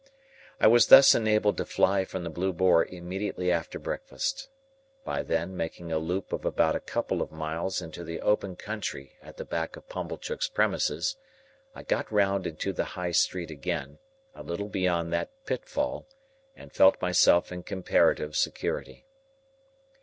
I was thus enabled to fly from the Blue Boar immediately after breakfast. By then making a loop of about a couple of miles into the open country at the back of Pumblechook's premises, I got round into the High Street again, a little beyond that pitfall, and felt myself in comparative security.